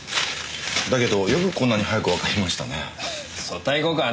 だけどよくこんなに早くわかりましたね。